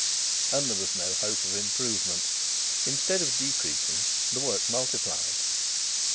And there was no hope of improvement; instead of decreasing, the work multiplied.